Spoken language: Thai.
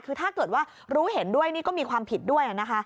คือถ้าเกิดว่ารู้เห็นด้วยนี่ก็มีความผิดด้วยนะคะ